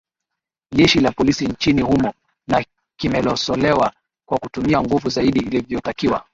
jeshi la polisi nchini humo na limekosolewa kwa kutumia nguvu zaidi ilivyotakiwa